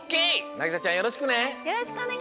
凪咲ちゃんよろしくね。